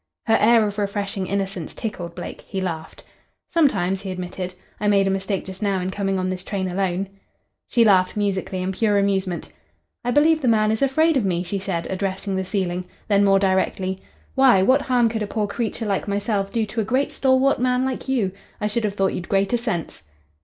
Her air of refreshing innocence tickled Blake. He laughed. "Sometimes," he admitted. "I made a mistake just now in coming on this train alone." She laughed musically in pure amusement. "I believe the man is afraid of me," she said, addressing the ceiling. Then more directly, "Why, what harm could a poor creature like myself do to a great stalwart man like you? I should have thought you'd greater sense."